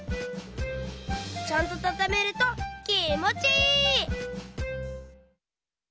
ちゃんとたためるときもちいい！